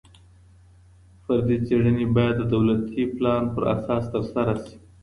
فردي څېړني باید د دولتي پلان په اساس ترسره سي.